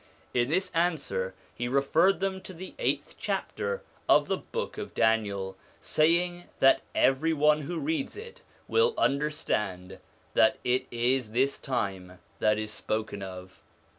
In this answer he re ferred them to the eighth chapter of the Book of Daniel, saying that every one who reads it will under stand that it is this time that is spoken of.